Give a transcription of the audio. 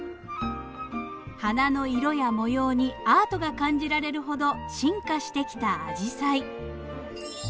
花の色や模様にアートが感じられるほど「進化」してきたアジサイ。